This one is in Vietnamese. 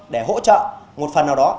để hỗ trợ một phần nào đó